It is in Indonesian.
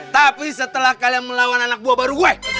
tapi setelah kalian melawan anak buah baru gue